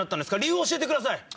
理由を教えてください。